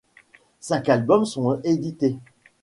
Cinq albums sont édités.